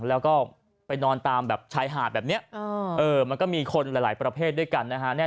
แล้วก็ไปนอนตามแบบชายหาดแบบนี้มันก็มีคนหลายประเภทด้วยกันนะฮะ